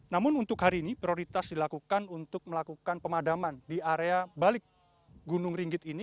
namun untuk hari ini prioritas dilakukan untuk melakukan pemadaman di area balik gunung ringgit ini